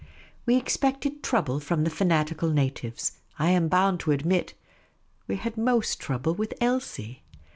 We expected trouble from the fanatical natives ; I am bound to admit, we had most trouble with Elsie.